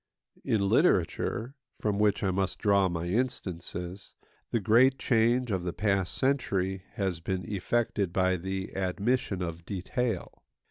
In literature (from which I must draw my instances) the great change of the past century has been effected by the admission of detail.